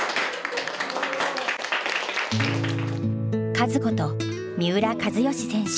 カズこと三浦知良選手。